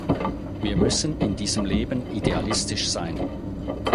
Wir müssen in diesem Leben idealistisch sein.